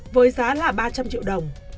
với giá là ba trăm linh triệu đồng